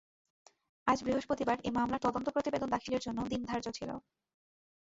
আজ বৃহস্পতিবার এ মামলায় তদন্ত প্রতিবেদন দাখিলের জন্য দিন ধার্য ছিল।